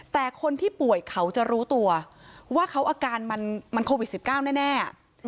แต่คนที่ป่วยเขาจะรู้ตัวว่าเขาอาการมันโควิด๑๙แน่